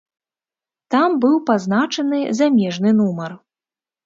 Там быў пазначаны замежны нумар.